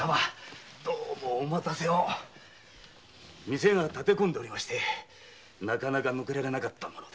店が立て込んでおりまして抜けられなかったもんで。